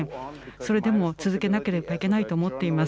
それでも続けなければいけないと思っています。